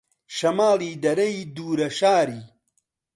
شەماڵی دەرەی دوورە شاری